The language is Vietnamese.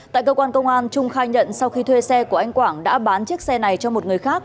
tại cơ quan công an trung khai nhận sau khi thuê xe của anh quảng đã bán chiếc xe này cho một người khác